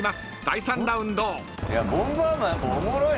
第３ラウンド］